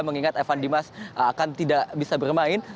mengingat evan dimas akan tidak bisa bermain